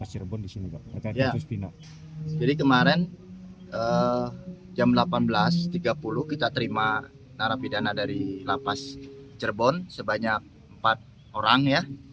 jadi kemarin jam delapan belas tiga puluh kita terima narapidana dari lapas cerbon sebanyak empat orang ya